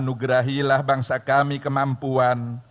anugerahilah bangsa kami kemampuan